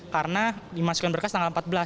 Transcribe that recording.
karena dimasukin berkas tanggal empat belas